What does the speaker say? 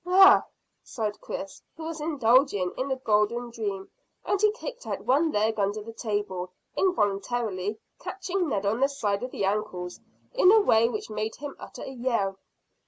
"Hah!" sighed Chris, who was indulging in a golden dream, and he kicked out one leg under the table, involuntarily catching Ned on the side of the ankle in a way which made him utter a yell.